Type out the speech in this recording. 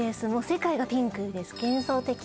世界がピンクです